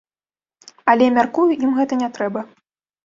Але, мяркую, ім гэта не трэба.